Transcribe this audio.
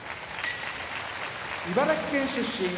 茨城県出身